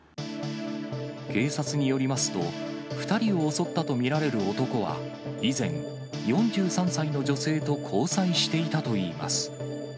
警察によりますと、２人を襲ったとみられる男は、以前、４３歳の女性と交際していたといいます。